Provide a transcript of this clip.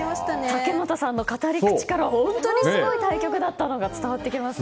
竹俣さんの語り口から本当にすごい対局だったのが伝わってきますね。